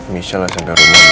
misalnya sampai rumah